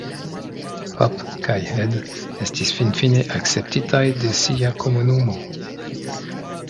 Op kaj Ed estis finfine akceptitaj de sia komunumo.